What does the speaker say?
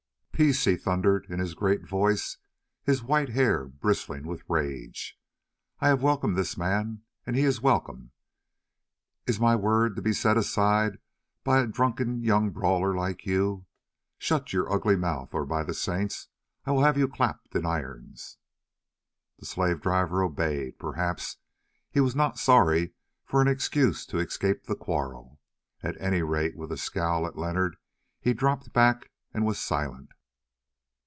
"Peace!" he thundered in his great voice, his white hair bristling with rage. "I have welcomed this man, and he is welcome. Is my word to be set aside by a drunken young brawler like you? Shut your ugly mouth or, by the Saints, I will have you clapped in irons." The slave driver obeyed; perhaps he was not sorry for an excuse to escape the quarrel. At any rate with a scowl at Leonard he dropped back and was silent.